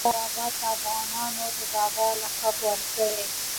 احمدشاه بابا ته افغانانو د "بابا" لقب ورکړی.